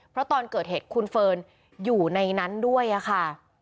เพราะตอนเกิดเหตุคุณเฟิร์นอยู่ในนั้นด้วยค่ะ